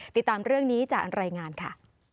ติดตามเรื่องนี้จากรายงานค่ะ